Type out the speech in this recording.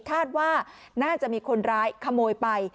คาดว่าน่าจะมีคนร้ายขโมยไป